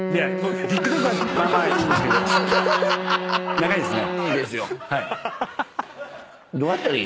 長いですね。